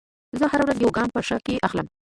زه هره ورځ یو ګام په ښه کې اخلم.